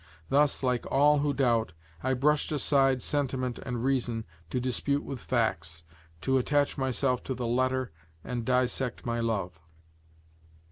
Thus, like all who doubt, I brushed aside sentiment and reason to dispute with facts, to attach myself to the letter and dissect my love.